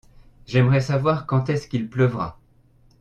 J'aimerais savoir quand est-ce qu'il pleuvra.